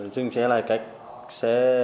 dừng xe lại cách xe